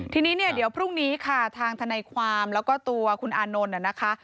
ทีนี้เนี่ยเดี๋ยวพรุ่งนี้ค่ะทางทนายความแล้วก็ตัวคุณอานนท์นะคะ